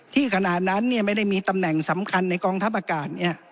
ขณะนั้นไม่ได้มีตำแหน่งสำคัญในกองทัพอากาศ